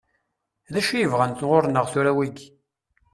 D acu i bɣan ɣur-neɣ tura wigi?